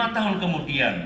lima tahun kemudian